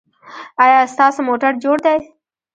ایا ستاسو موټر جوړ دی؟